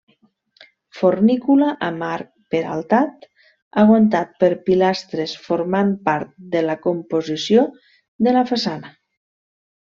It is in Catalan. Fornícula amb arc peraltat aguantat per pilastres, formant part de la composició de la façana.